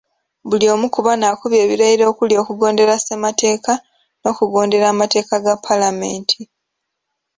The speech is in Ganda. Buli omu ku bano akubye ebirayiro okuli okugondera Ssemateeka n’okugondera amateeka ga Paalamenti.